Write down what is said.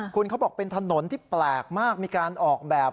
คุณเขาบอกเป็นถนนที่แปลกมากมีการออกแบบ